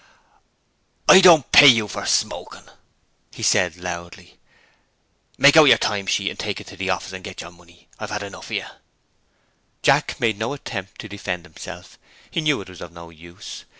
'I don't pay you for smoking,' he said, loudly. 'Make out your time sheet, take it to the office and get your money. I've had enough of you!' Jack made no attempt to defend himself: he knew it was of no use.